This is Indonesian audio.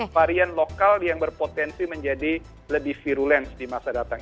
varian lokal yang berpotensi menjadi lebih virulence di masa datang